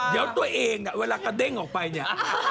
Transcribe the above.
เดี๋ยวตัวเองเนี่ยเวลากระเด้งออกไปเนี่ย